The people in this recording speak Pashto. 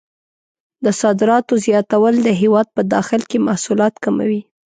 د صادراتو زیاتول د هېواد په داخل کې محصولات کموي.